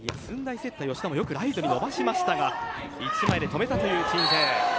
セッター・吉田もよくライトに伸ばしましたが１枚で止めたという鎮西。